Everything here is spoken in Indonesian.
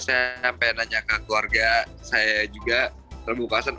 saya sampai nanyakan keluarga saya juga reboh wekasan